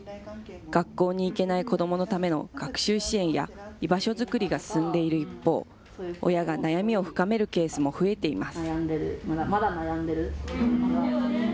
学校に行けない子どものための学習支援や、居場所づくりが進んでいる一方、親が悩みを深めるケースも増えています。